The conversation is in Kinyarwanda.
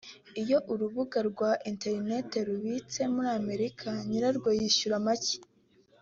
Iyo Urubuga rwa Internet rubitse muri Amerika nyirarwo yishyura make